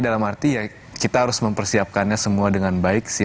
dalam arti ya kita harus mempersiapkannya semua dengan baik sih